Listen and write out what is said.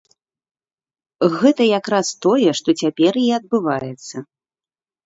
Гэта як раз тое, што цяпер і адбываецца.